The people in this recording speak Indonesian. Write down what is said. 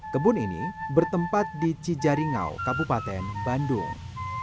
kebun ini bertempat di cijaringau kabupaten bandung